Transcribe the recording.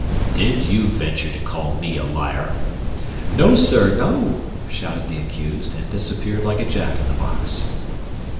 "Did you venture to call me a liar?" ("No, sir, no!" shouted the accused, and disappeared like a jack in the box.)